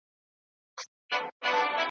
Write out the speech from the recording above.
دلته یې بشپړه بڼه لوستلای سئ ,